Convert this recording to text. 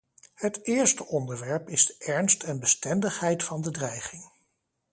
Het eerste onderwerp is de ernst en bestendigheid van de dreiging.